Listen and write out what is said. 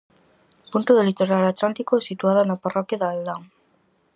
Punta do litoral atlántico situada na parroquia de Aldán.